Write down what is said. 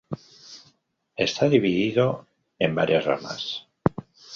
Está dividido En varias ramas.